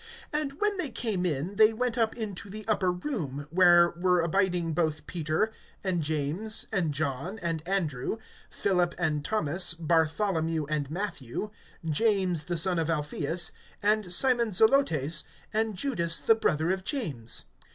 (13)And when they came in, they went up into the upper room, where were abiding both Peter, and James, and John, and Andrew, Philip and Thomas, Bartholomew and Matthew, James the son of Alpheus, and Simon Zelotes, and Judas the brother of James.